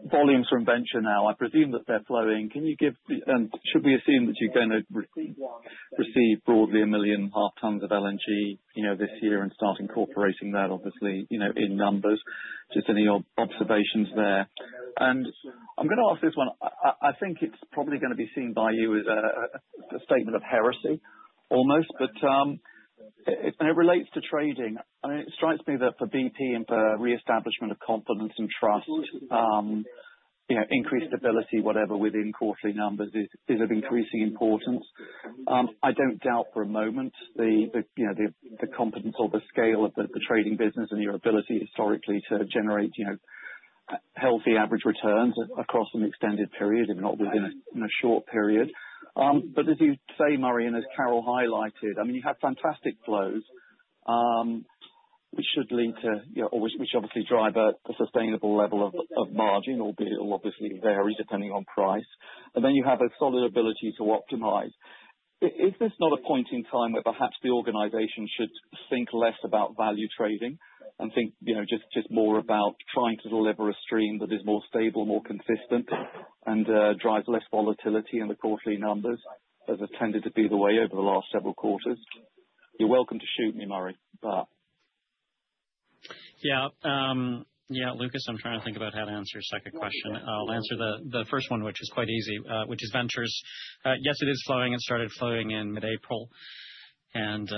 volumes are in Venture now. I presume that they're flowing. Can you give, and should we assume that you're going to receive broadly a million half tons of LNG this year and start incorporating that obviously in numbers? Just any observations there? I'm going to ask this one. I think it's probably going to be seen by you as a statement of heresy almost. It relates to trading. I mean, it strikes me that for BP and for reestablishment of confidence and trust, increased stability, whatever, within quarterly numbers is of increasing importance. I don't doubt for a moment the competence or the scale of the trading business and your ability historically to generate healthy average returns across an extended period, if not within a short period. As you say, Murray, and as Carol highlighted, I mean, you have fantastic flows, which should lead to, which obviously drive a sustainable level of margin, albeit obviously vary depending on price. You have a solid ability to optimize. Is this not a point in time where perhaps the organization should think less about value trading and think just more about trying to deliver a stream that is more stable, more consistent, and drives less volatility in the quarterly numbers as it tended to be the way over the last several quarters? You're welcome to shoot me, Murray, but. Yeah. Yeah, Lucas, I'm trying to think about how to answer your second question. I'll answer the first one, which is quite easy, which is ventures. Yes, it is flowing. It started flowing in mid-April. And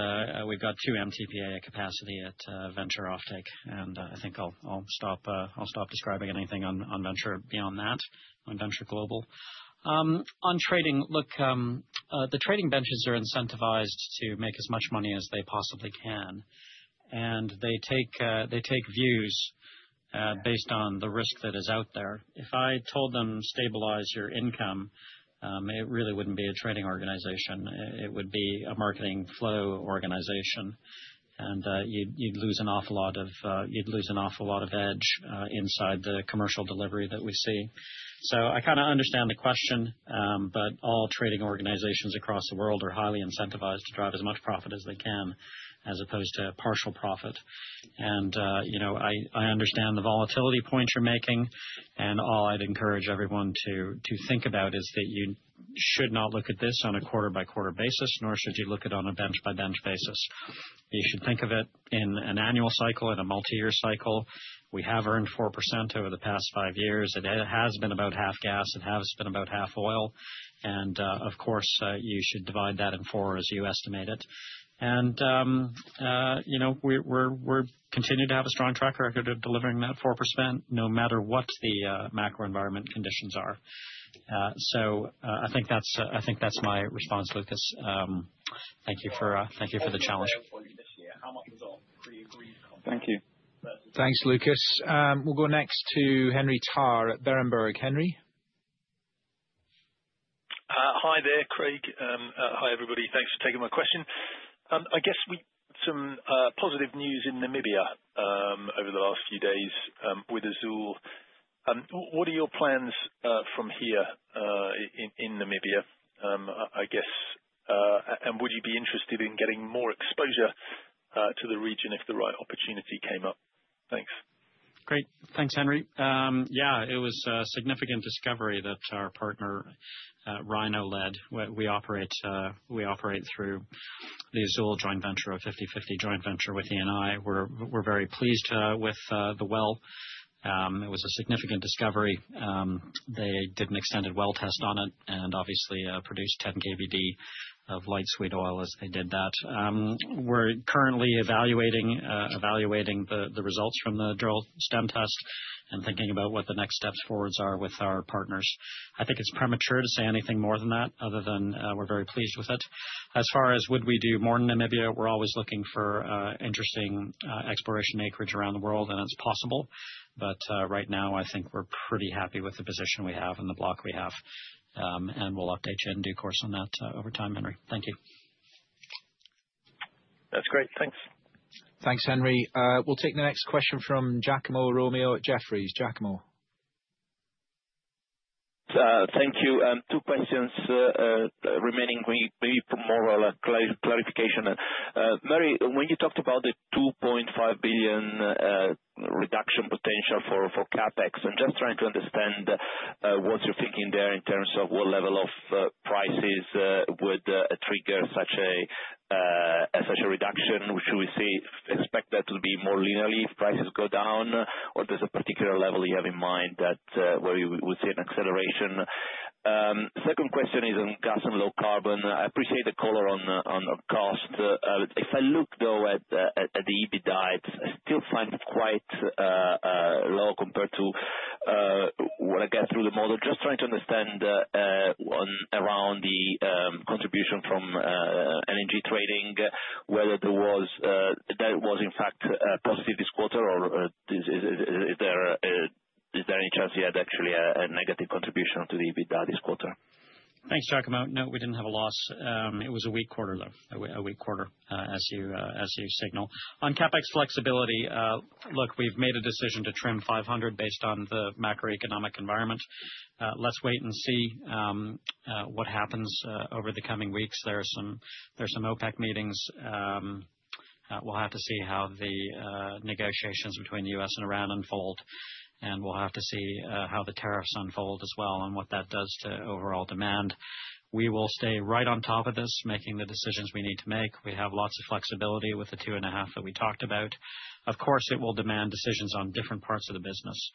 we've got 2 MTPA capacity at venture offtake. I think I'll stop describing anything on venture beyond that, on Venture Global. On trading, look, the trading benches are incentivized to make as much money as they possibly can. They take views based on the risk that is out there. If I told them, "Stabilize your income," it really wouldn't be a trading organization. It would be a marketing flow organization. You'd lose an awful lot of, you'd lose an awful lot of edge inside the commercial delivery that we see. I kind of understand the question, but all trading organizations across the world are highly incentivized to drive as much profit as they can as opposed to partial profit. I understand the volatility points you're making. All I'd encourage everyone to think about is that you should not look at this on a quarter-by-quarter basis, nor should you look at it on a bench-by-bench basis. You should think of it in an annual cycle, in a multi-year cycle. We have earned 4% over the past five years. It has been about half gas. It has been about half oil. Of course, you should divide that in four as you estimate it. We continue to have a strong track record of delivering that 4% no matter what the macro environment conditions are. I think that's my response, Lucas. Thank you for the challenge. Thank you. Thanks, Lucas. We'll go next to Henry Tarr at Berenberg. Henry? Hi there, Craig. Hi, everybody. Thanks for taking my question. I guess we had some positive news in Namibia over the last few days with Azule. What are your plans from here in Namibia, I guess? Would you be interested in getting more exposure to the region if the right opportunity came up? Thanks. Great. Thanks, Henry. Yeah, it was a significant discovery that our partner, Galp Energia, we operate through the Azule joint venture, our 50/50 joint venture with Eni. We're very pleased with the well. It was a significant discovery. They did an extended well test on it and obviously produced 10 KBD of light sweet oil as they did that. We're currently evaluating the results from the drill stem test and thinking about what the next steps forwards are with our partners. I think it's premature to say anything more than that other than we're very pleased with it. As far as would we do more in Namibia, we're always looking for interesting exploration acreage around the world, and it's possible. Right now, I think we're pretty happy with the position we have and the block we have. We'll update you in due course on that over time, Henry. Thank you. That's great. Thanks. Thanks, Henry. We'll take the next question from Giacomo Romeo at Jefferies. Giacomo. Thank you. Two questions remaining maybe for more clarification. Murray, when you talked about the $2.5 billion reduction potential for CapEx, I'm just trying to understand what you're thinking there in terms of what level of prices would trigger such a reduction. Should we expect that to be more linearly if prices go down, or there's a particular level you have in mind where we would see an acceleration? Second question is on gas and low carbon. I appreciate the color on cost. If I look, though, at the EBITDA, I still find quite low compared to what I get through the model. Just trying to understand around the contribution from energy trading, whether that was in fact positive this quarter, or is there any chance you had actually a negative contribution to the EBITDA this quarter? Thanks, Giacomo. No, we didn't have a loss. It was a weak quarter, though, a weak quarter, as you signal. On CapEx flexibility, look, we've made a decision to trim $500,000,000 based on the macroeconomic environment. Let's wait and see what happens over the coming weeks. There are some OPEC meetings. We will have to see how the negotiations between the U.S. and Iran unfold. We will have to see how the tariffs unfold as well and what that does to overall demand. We will stay right on top of this, making the decisions we need to make. We have lots of flexibility with the $2,500,000,000 that we talked about. Of course, it will demand decisions on different parts of the business.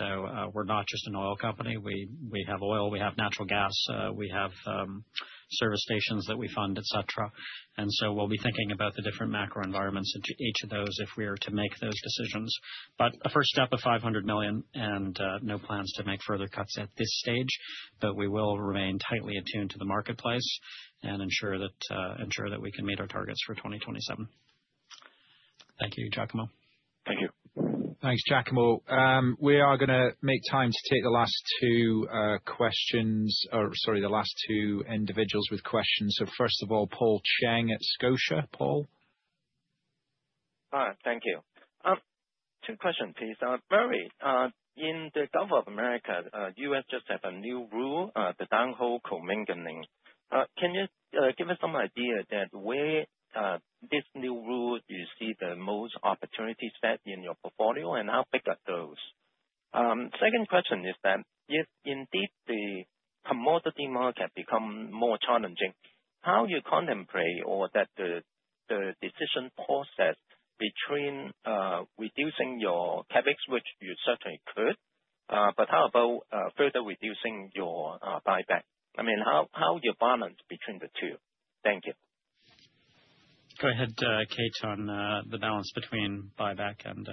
We are not just an oil company. We have oil, we have natural gas, we have service stations that we fund, etc. We will be thinking about the different macro environments in each of those if we are to make those decisions. A first step of $500 million and no plans to make further cuts at this stage. We will remain tightly attuned to the marketplace and ensure that we can meet our targets for 2027. Thank you, Giacomo. Thank you. Thanks, Giacomo. We are going to make time to take the last two questions, or sorry, the last two individuals with questions. First of all, Paul Cheng at Scotia. Paul? Hi. Thank you. Two questions, please. Murray, in the Gulf of Mexico, the US just had a new rule, the down-hole commissioning. Can you give us some idea that where this new rule you see the most opportunities set in your portfolio and how big are those? Second question is that if indeed the commodity market becomes more challenging, how do you contemplate or that the decision process between reducing your CapEx, which you certainly could, but how about further reducing your buyback? I mean, how do you balance between the two? Thank you. Go ahead, Kate, on the balance between buyback and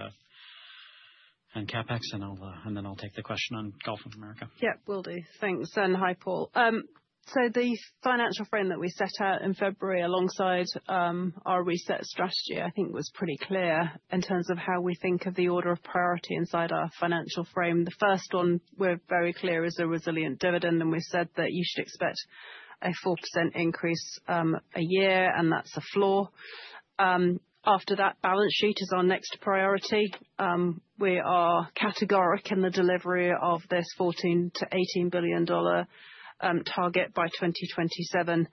CapEx. I'll take the question on Gulf of America. Yeah, will do. Thanks. Hi, Paul. The financial frame that we set out in February alongside our reset strategy, I think, was pretty clear in terms of how we think of the order of priority inside our financial frame. The first one, we're very clear, is a resilient dividend. We said that you should expect a 4% increase a year, and that's a floor. After that, balance sheet is our next priority. We are categoric in the delivery of this $14 billion-$18 billion target by 2027.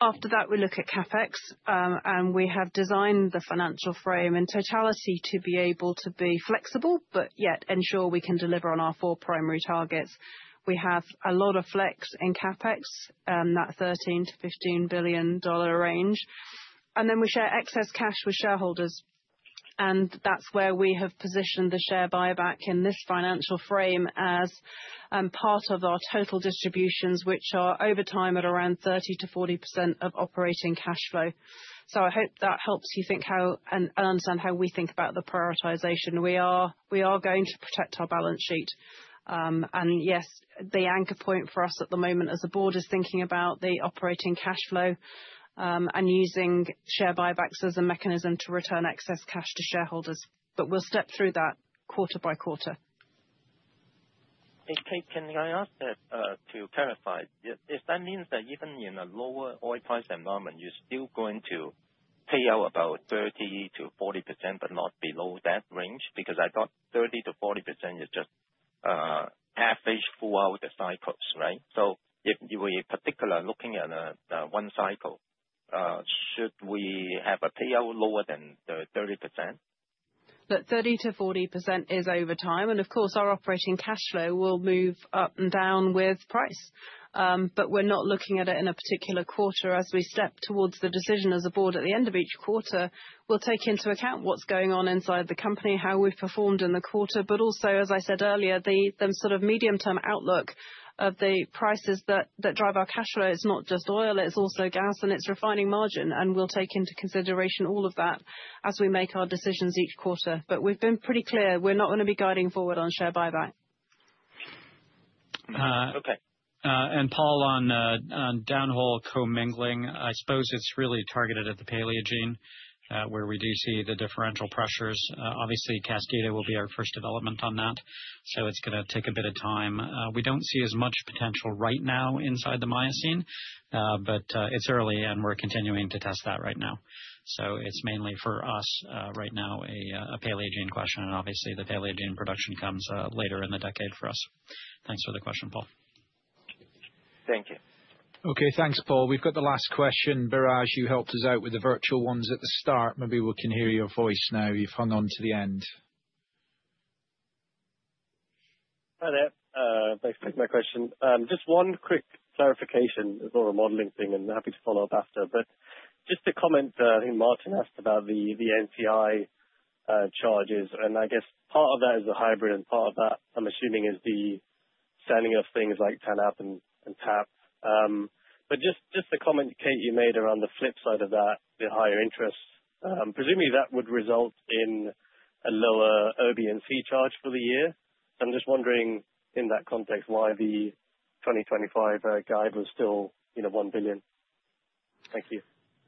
After that, we look at CapEx. We have designed the financial frame in totality to be able to be flexible, but yet ensure we can deliver on our four primary targets. We have a lot of flex in CapEx, that $13 billion-$15 billion range. Then we share excess cash with shareholders. That is where we have positioned the share buyback in this financial frame as part of our total distributions, which are over time at around 30-40% of operating cash flow. I hope that helps you think how and understand how we think about the prioritization. We are going to protect our balance sheet. Yes, the anchor point for us at the moment as a board is thinking about the operating cash flow and using share buybacks as a mechanism to return excess cash to shareholders. We will step through that quarter by quarter. If I ask that to clarify, if that means that even in a lower oil price environment, you're still going to pay out about 30-40%, but not below that range? Because I thought 30-40% is just average for our cycles, right? If we're particular looking at one cycle, should we have a payout lower than 30%? Look, 30-40% is over time. Of course, our operating cash flow will move up and down with price. We are not looking at it in a particular quarter. As we step towards the decision as a board at the end of each quarter, we will take into account what is going on inside the company, how we have performed in the quarter, but also, as I said earlier, the sort of medium-term outlook of the prices that drive our cash flow. It is not just oil. It is also gas and its refining margin. We will take into consideration all of that as we make our decisions each quarter. We have been pretty clear. We are not going to be guiding forward on share buyback. Okay. Paul, on down-hole commingling, I suppose it's really targeted at the Paleogene, where we do see the differential pressures. Obviously, Kaskida will be our first development on that. It is going to take a bit of time. We do not see as much potential right now inside the Miocene, but it is early, and we are continuing to test that right now. It is mainly for us right now, a Paleogene question. Obviously, the Paleogene production comes later in the decade for us. Thanks for the question, Paul. Thank you. Okay, thanks, Paul. We've got the last question. Biraj, you helped us out with the virtual ones at the start. Maybe we can hear your voice now. You've hung on to the end. Hi there. Thanks for taking my question. Just one quick clarification. It's more of a modeling thing, and I'm happy to follow up after. Just to comment, I think Martin asked about the NCI charges. I guess part of that is the hybrid, and part of that, I'm assuming, is the selling of things like TANAP and TAP. Just to comment, Kate, you made around the flip side of that, the higher interest. Presumably, that would result in a lower OB&C charge for the year. I'm just wondering, in that context, why the 2025 guide was still $1 billion. Thank you.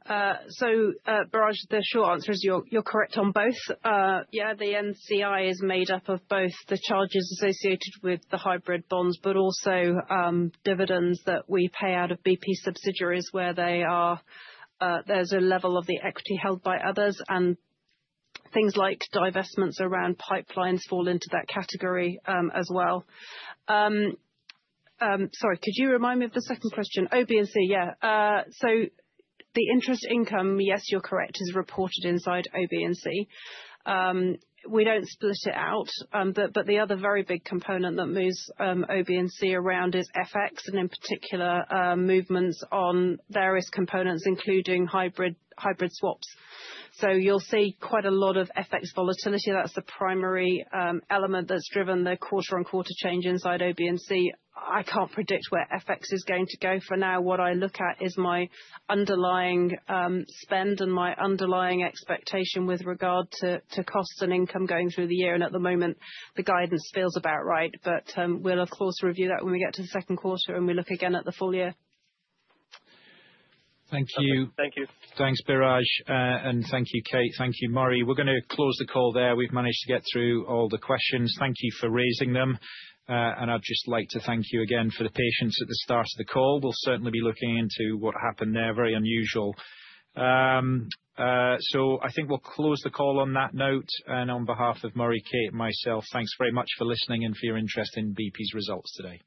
Biraj, the short answer is you're correct on both. Yeah, the NCI is made up of both the charges associated with the hybrid bonds, but also dividends that we pay out of BP subsidiaries where there's a level of the equity held by others. Things like divestments around pipelines fall into that category as well. Sorry, could you remind me of the second question? OB&C, yeah. The interest income, yes, you're correct, is reported inside OB&C. We don't split it out. The other very big component that moves OB&C around is FX, and in particular, movements on various components, including hybrid swaps. You'll see quite a lot of FX volatility. That's the primary element that's driven the quarter-on-quarter change inside OB&C. I can't predict where FX is going to go. For now, what I look at is my underlying spend and my underlying expectation with regard to cost and income going through the year. At the moment, the guidance feels about right. We will, of course, review that when we get to the second quarter and we look again at the full year. Thank you. Thank you. Thanks, Biraj. And thank you, Kate. Thank you, Murray. We're going to close the call there. We've managed to get through all the questions. Thank you for raising them. I'd just like to thank you again for the patience at the start of the call. We'll certainly be looking into what happened there. Very unusual. I think we'll close the call on that note. On behalf of Murray, Kate, and myself, thanks very much for listening and for your interest in BP's results today.